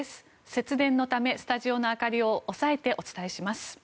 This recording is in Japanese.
節電のためスタジオの明かりを抑えてお伝えします。